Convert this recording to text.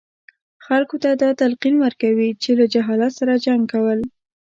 خلکو ته دا تلقین ورکوي چې له جهالت سره جنګ کول.